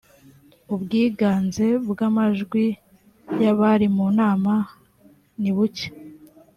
ubwiganze bw ‘amajwi y ‘abari mu nama nibuke.